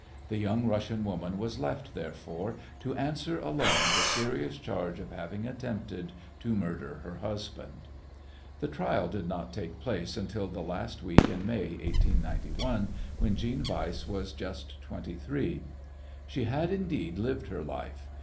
The young Russian woman was left, therefore, to answer alone the serious charge of having attempted to murder her husband. The trial did not take place until the last week in May, 1891, when Jeanne Weiss was just twenty three. She had, indeed, lived her life.